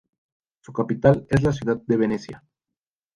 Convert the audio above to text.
Su capital es la ciudad de Venecia.